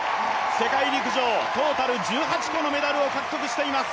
世界陸上トータル１８個のメダルを獲得しています。